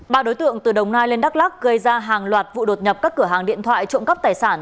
ba đối tượng từ đồng nai lên đắk lắc gây ra hàng loạt vụ đột nhập các cửa hàng điện thoại trộm cắp tài sản